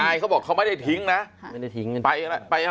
อายเขาบอกเขาไม่ได้ทิ้งนะ